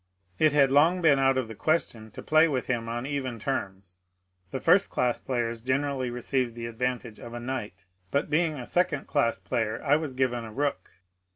It had long been out of the question to play with him on even terms ; the first class players generaUy received the advantage of a knight, but being a second class player I was given a rook.